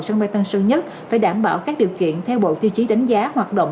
sân bay tân sơn nhất phải đảm bảo các điều kiện theo bộ tiêu chí đánh giá hoạt động